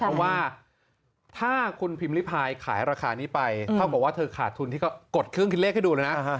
เพราะว่าถ้าคุณพิมพ์ริพายขายราคานี้ไปเท่ากับว่าเธอขาดทุนที่เขากดเครื่องคิดเลขให้ดูเลยนะ